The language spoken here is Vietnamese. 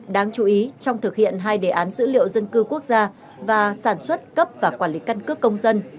đáng chú ý trong thực hiện hai đề án dữ liệu dân cư quốc gia và sản xuất cấp và quản lý căn cước công dân